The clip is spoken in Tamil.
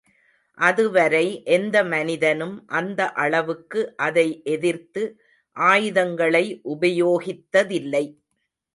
அதுவரை எந்த மனிதனும் அந்த அளவுக்கு அதை எதிர்த்து ஆயுதங்களை உபயோகித்ததில்லை.